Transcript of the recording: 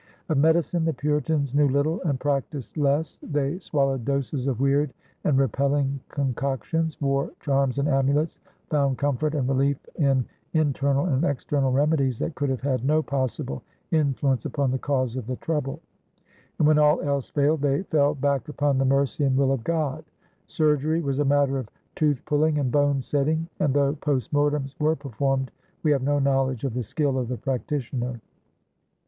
Of medicine the Puritans knew little and practised less. They swallowed doses of weird and repelling concoctions, wore charms and amulets, found comfort and relief in internal and external remedies that could have had no possible influence upon the cause of the trouble, and when all else failed they fell back upon the mercy and will of God. Surgery was a matter of tooth pulling and bone setting, and though post mortems were performed, we have no knowledge of the skill of the practitioner.